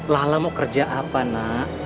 lala mau kerja apa nak